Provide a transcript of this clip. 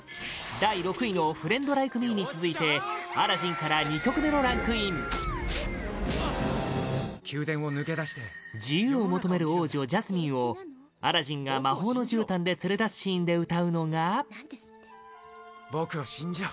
第６位の「フレンド・ライク・ミー」に続いて「アラジン」から２曲目のランクイン自由を求める王女ジャスミンをアラジンが魔法のじゅうたんで連れ出すシーンで歌うのがアラジン：僕を信じろ。